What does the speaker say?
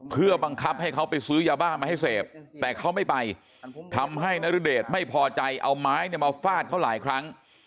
เพื่อบังคับให้เขาไปซื้อยาบ้ามาให้เสพแต่เขาไม่ไปทำให้นรุเดชไม่พอใจเอาไม้เนี่ยมาฟาดเขาหลายครั้ง